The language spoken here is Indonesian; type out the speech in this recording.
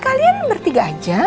kalian bertiga aja